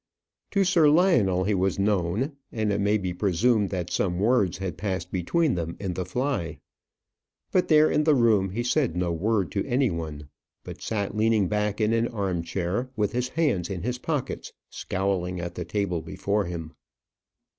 To Sir Lionel he was known, and it may be presumed that some words had passed between them in the fly; but there in the room he said no word to any one, but sat leaning back in an arm chair, with his hands in his pockets, scowling at the table before him.